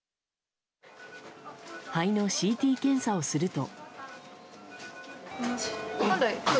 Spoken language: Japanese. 肺のＣＴ検査をすると。